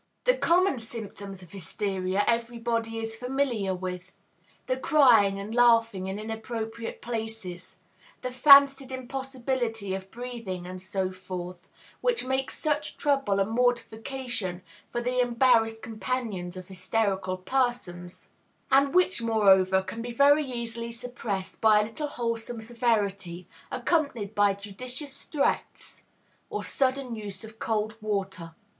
The common symptoms of hysteria everybody is familiar with, the crying and laughing in inappropriate places, the fancied impossibility of breathing, and so forth, which make such trouble and mortification for the embarrassed companions of hysterical persons; and which, moreover, can be very easily suppressed by a little wholesome severity, accompanied by judicious threats or sudden use of cold water.